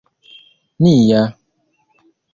nia